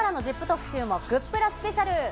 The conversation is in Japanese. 特集も、グップラスペシャル。